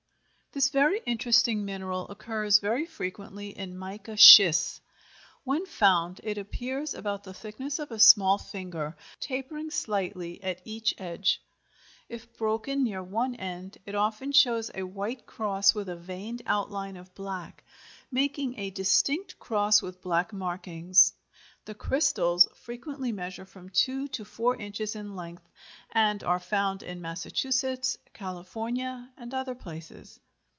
This very interesting mineral occurs very frequently in mica schists. When found, it appears about the thickness of a small finger, tapering slightly at each edge. If broken near one end, it often shows a white cross with a veined outline of black, making a distinct cross with black markings. The crystals frequently measure from two to four inches in length, and are found in Massachusetts, California, and other places.